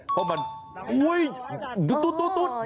เพราะมันอุ้ยตุ๊ดใหญ่